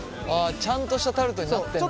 ちゃんとしたタルトになってんだ。